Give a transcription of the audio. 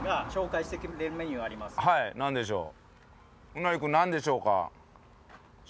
はい何でしょう？